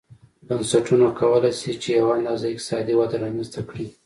بنسټونه کولای شي چې یوه اندازه اقتصادي وده رامنځته کړي.